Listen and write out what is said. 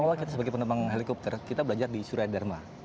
awal kita sebagai penumpang helikopter kita belajar di suraya dharma